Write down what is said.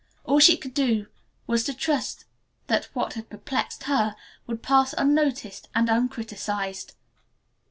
All she could do was to trust that what had perplexed her would pass unnoticed and uncriticized.